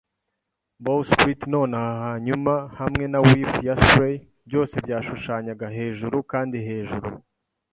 bowsprit nonaha hanyuma hamwe na whiff ya spray. Byose byashushanyaga hejuru kandi hejuru;